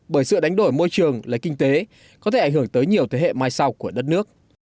bởi sự đánh đổi môi trường lấy kinh tế có thể ảnh hưởng tới nhiều thế hệ mai sau của đất nước